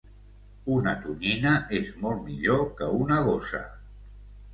Una tonyina és molt millor que una gossa